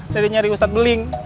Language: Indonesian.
dari nyari ustadz beling